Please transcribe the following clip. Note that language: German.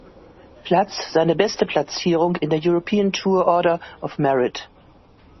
Platz seine beste Platzierung in der European Tour Order of Merit.